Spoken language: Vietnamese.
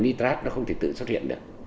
nitrat nó không thể tự xuất hiện được